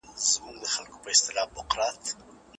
چي یې تر دار پوري د حق چیغي وهلي نه وي